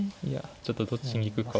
ちょっとどっちに行くかは。